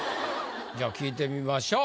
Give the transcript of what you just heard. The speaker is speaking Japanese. じゃあ聞いてみましょう。